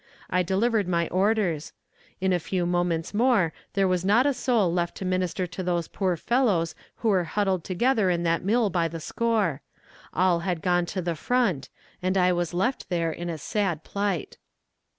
I delivered my orders. In a few moments more there was not a soul left to minister to those poor fellows who were huddled together in that mill by the score; all had gone to the front, and I was left there in a sad plight.